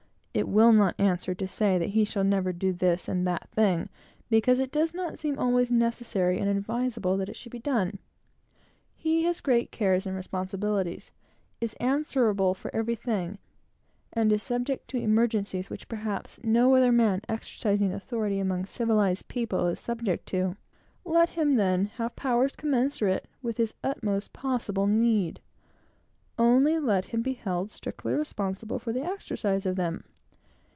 It will not answer to say that he shall never do this and that thing, because it does not seem always necessary and advisable that it should be done. He has great cares and responsibilities; is answerable for everything; and is subject to emergencies which perhaps no other man exercising authority among civilized people is subject to. Let him, then, have powers commensurate with his utmost possible need; only let him be held strictly responsible for the exercise of them.